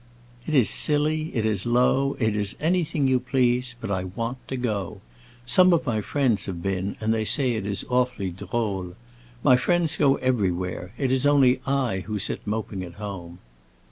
"It is silly, it is low, it is anything you please. But I want to go. Some of my friends have been, and they say it is awfully drôle. My friends go everywhere; it is only I who sit moping at home."